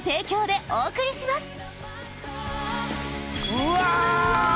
うわ！